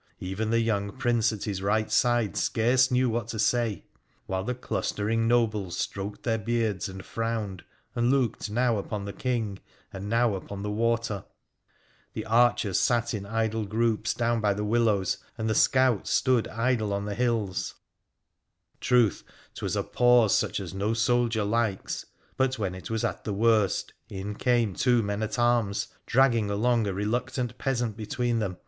Even the young Prince at his right side scarce knew what to say ; while the clustering nobles stroked their beards and frowned, and looked now upon the King and now upon the water. The archers sat in idle groups down by the willows., PIIRA THE PHCENICIAN 199 and the scouts stood idle on the hills. Truth, 'twas a pause such as no soldier likes, but when it was at the worst in came two men at arms dragging along a reluctant peasant between them.